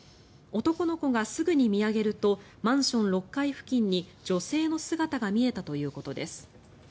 男の子がすぐに見上げるとマンション６階付近に女性の姿が見えたということです。